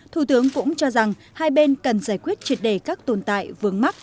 thủ tướng cũng cho rằng hai bên cần giải quyết triệt đề các tồn tại vướng mắc